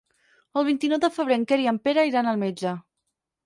El vint-i-nou de febrer en Quer i en Pere iran al metge.